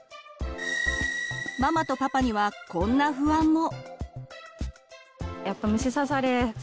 ママとパパにはこんな不安も。